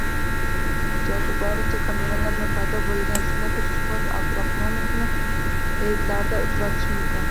Iloji boricha kameralar bilan paydo bo'lgan senator Shuhrat Abdurahmonovni reydlarda uchratish mumkin